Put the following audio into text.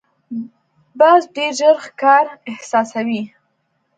باز ډېر ژر ښکار احساسوي